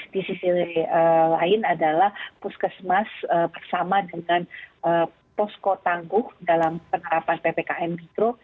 di sisi lain adalah puskesmas bersama dengan posko tangguh dalam penerapan ppkm mikro